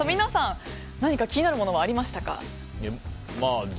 皆さん、何か気になるものはありましたか？